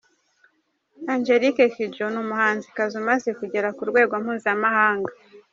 Angelique Kidjo ni umuhanzikazi umaze kugera ku rwego mpuzamahanga.